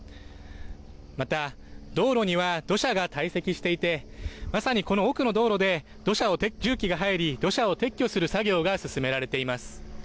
また道路には土砂が堆積していてまさにこの奥の道路で土砂を重機が入り土砂を撤去する作業が進められています。